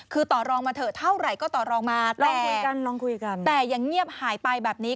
คือต่อรองมาเถอะเท่าไหร่ก็ต่อรองมาแต่ยังเงียบหายไปแบบนี้